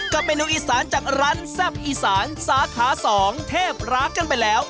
เมนูอีสานจากร้านแซ่บอีสานสาขา๒เทพรักกันไปแล้ว